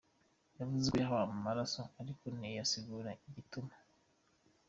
Yavuze ko yahawe amaraso ariko ntiyasigura igituma.